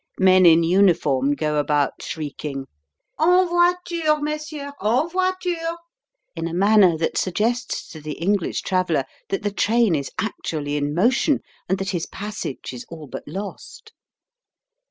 Men in uniform go about shrieking "En voiture, messieurs, en voiture!" in a manner that suggests to the English traveller that the train is actually in motion, and that his passage is all but lost.